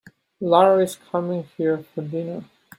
Lara is coming here for dinner.